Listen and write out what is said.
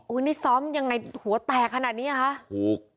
อุ้ยนี่ซ้อมยังไงหัวแตกขนาดนี้อะคะ